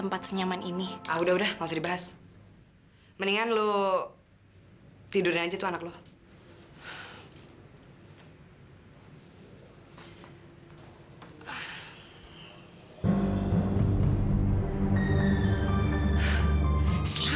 bagaimana keadaannya seperti apa